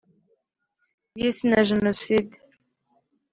Y isi na jenoside